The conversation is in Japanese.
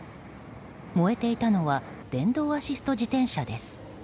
燃えていたのは電動アシスト自転車です。